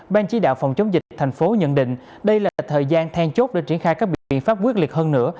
ban chỉ đạo phòng chống dịch thành phố nhận định đây là thời gian then chốt để triển khai các biện pháp quyết liệt hơn nữa